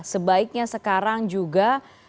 sebaiknya sekarang juga